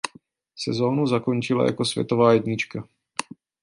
Sezónu zakončila jako světová jednička.